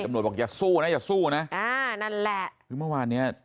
บอกอย่าสู้นะอย่าสู้นะอ่านั่นแหละคือเมื่อวานเนี้ย